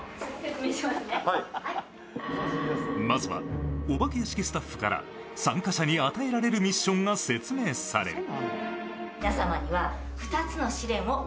まずはお化け屋敷スタッフから参加者に与えられるミッションが説明される。